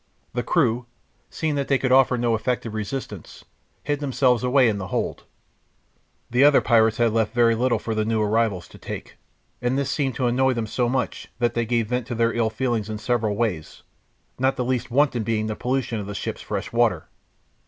The crew, seeing that they could offer no effective resistance, hid themselves away in the hold. The other pirates had left very little for the new arrivals to take, and this seemed to annoy them so much that they gave vent to their ill feelings in several ways, not the least wanton being the pollution of the ship's fresh water.